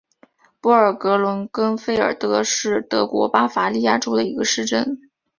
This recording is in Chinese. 布尔格伦根费尔德是德国巴伐利亚州的一个市镇。